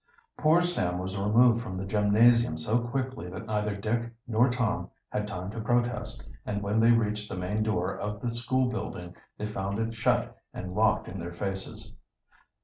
Poor Sam was removed from the gymnasium so quickly that neither Dick nor Tom had time to protest, and when they reached the main door of the school building they found it shut and locked in their faces.